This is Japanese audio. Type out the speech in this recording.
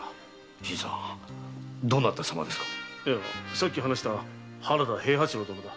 さっき話した原田平八郎殿だ。